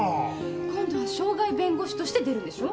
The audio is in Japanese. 今度は渉外弁護士として出るんでしょ？